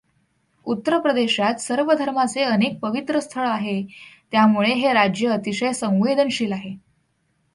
उत्तर प्रदेशात सर्व धर्माचे अनेक पवित्र स्थळ आहे त्यामुळे हे राज्य अतिशय संवेदनशील आहे.